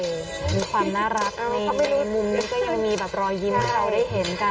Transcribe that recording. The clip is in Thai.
มีความน่ารักในมุมนี้มีแบบรอยยิ้มพอเราได้เห็นกัน